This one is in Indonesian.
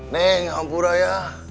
neng ampura ya